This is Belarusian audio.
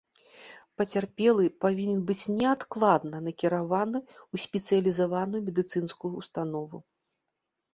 Пацярпелы павінен быць неадкладна накіраваны ў спецыялізаваную медыцынскую ўстанову.